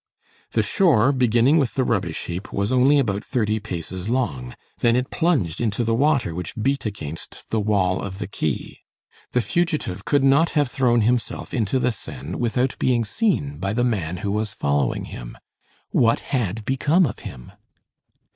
The shore, beginning with the rubbish heap, was only about thirty paces long, then it plunged into the water which beat against the wall of the quay. The fugitive could not have thrown himself into the Seine without being seen by the man who was following him. What had become of him?